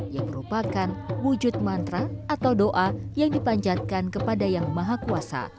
yang merupakan wujud mantra atau doa yang dipanjatkan kepada yang maha kuasa